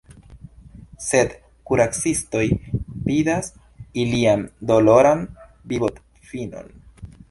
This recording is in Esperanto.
Sed kuracistoj vidas ilian doloran vivofinon.